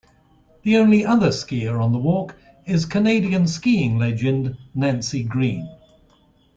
The only other skier on the walk is Canadian skiing legend Nancy Greene.